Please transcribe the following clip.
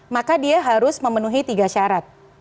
maka dia harus memenuhi tiga syarat